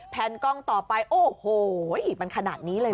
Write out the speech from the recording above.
แนนกล้องต่อไปโอ้โหอีกมันขนาดนี้เลยนะ